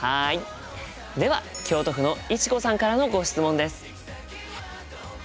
では京都府のいちこさんからのご質問です。